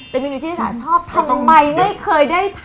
เป็นเมนูที่สาชอบทำไมไม่เคยได้ทาน